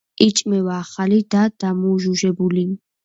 იჭმევა ახალი და დამუჟუჟებული.